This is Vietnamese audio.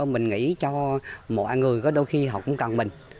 mình nghĩ cho mọi người có đôi khi họ cũng cần mình